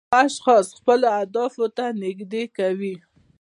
دا اشخاص خپلو اهدافو ته نږدې کوي.